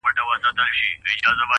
پوه انسان د غرور بار نه وړي؛